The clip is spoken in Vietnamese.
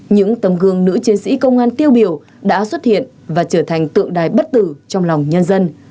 những tấm gương nữ chiến sĩ công an tiêu biểu đã xuất hiện và trở thành tượng đài bất tử trong lòng nhân dân